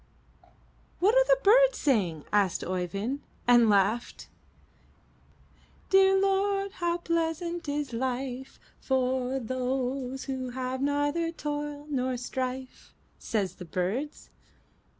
'" "What are the birds saying?" asked Oeyvind and laughed. '"Dear Lord, how pleasant is life. For those who have neither toil nor strife,' Say the birds."